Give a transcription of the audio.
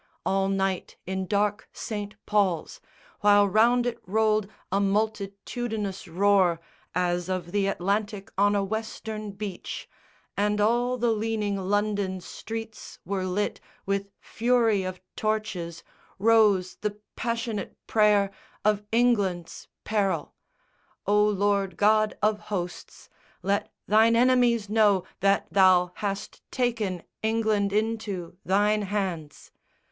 All night in dark St. Paul's, While round it rolled a multitudinous roar As of the Atlantic on a Western beach, And all the leaning London streets were lit With fury of torches, rose the passionate prayer Of England's peril: _O Lord God of Hosts, Let Thine enemies know that Thou hast taken England into Thine hands!